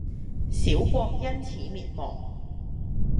小國因此滅亡